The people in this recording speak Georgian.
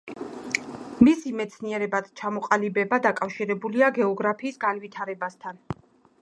მისი მეცნიერებად ჩამოყალიბება დაკავშირებულია გეოგრაფიის განვითარებასთან.